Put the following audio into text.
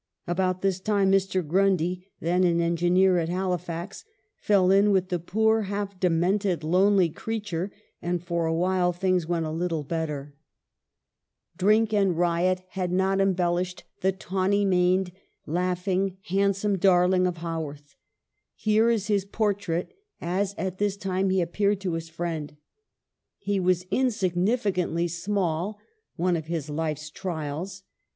About this time Mr. Grundy, then an engineer at Halifax, fell in with the poor, half demented, lonely creature, and for a while things went a little better. 1 ' Pictures of the Past' F. H. Grundy. A RETROSPECT. 125 Drink and riot had not embellished the tawny maned, laughing, handsome darling of Havvorth. Here is his portrait as at this time he appeared to his friend : "He was insignificantly small — one of his life's trials.